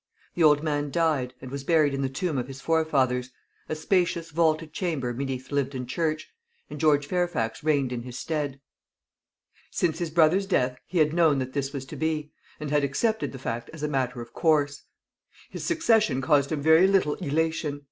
The old man died, and was buried in the tomb of his forefathers a spacious vaulted chamber beneath Lyvedon church and George Fairfax reigned in his stead. Since his brother's death he had known that this was to be, and had accepted the fact as a matter of course. His succession caused him very little elation.